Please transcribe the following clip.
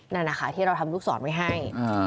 นั่นนะคะที่เราทำลูกศรไว้ให้